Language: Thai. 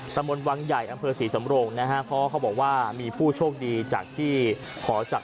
มนต์วังใหญ่อำเภอศรีสำโรงนะฮะเพราะเขาบอกว่ามีผู้โชคดีจากที่ขอจับ